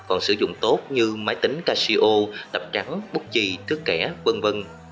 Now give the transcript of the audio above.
còn sử dụng tốt như máy tính casio tập trắng bút chì thước kẻ v v